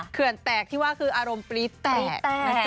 เขื่อนแตกที่ว่าคืออารมณ์ปรี๊ดแตก